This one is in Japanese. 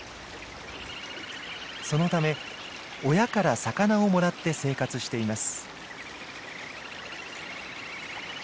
そのため親から魚をもらって生活しています。